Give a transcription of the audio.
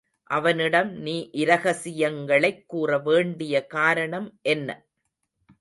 அவனிடம் நீ இரகசியங்களைக் கூறவேண்டிய காரணம் என்ன?